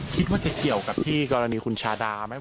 คิดว่าจะเกี่ยวกับที่กรณีคุณชาดาไหม